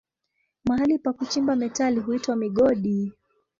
Mahali pa kuchimba metali huitwa migodi.